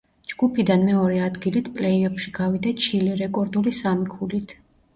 ჯგუფიდან მეორე ადგილით პლეი-ოფში გავიდა ჩილე, რეკორდული სამი ქულით.